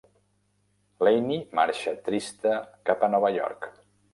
Lanie marxa trista cap a Nova York.